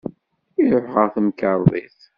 Iruḥ ɣer temkerḍit.